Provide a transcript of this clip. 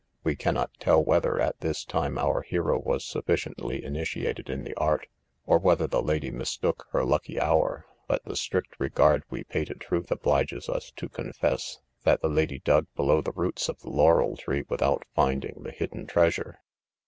We cannot tell whether at this time our hero was sufficiently initiated in the art, or whether the lady mistook her lucky hour, but the strict regard we pay to truth obliges us to confess, that the lady dug below the roots of the laurel tree without finding the hidden treasure.